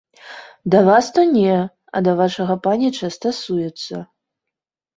Да вас то не, а да вашага паніча стасуецца.